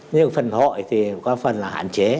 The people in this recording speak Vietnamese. nhưng phần hội thì có phần là hạn chế